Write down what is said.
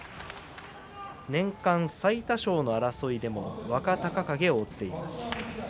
年間最多勝の争いでも若隆景を追っています。